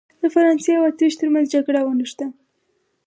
د فرانسې او اتریش ترمنځ جګړه ونښته.